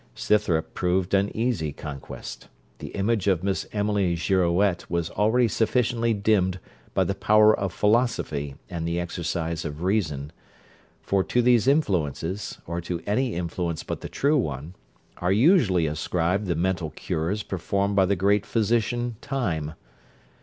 Scythrop proved an easy conquest. The image of Miss Emily Girouette was already sufficiently dimmed by the power of philosophy and the exercise of reason: for to these influences, or to any influence but the true one, are usually ascribed the mental cures performed by the great physician Time.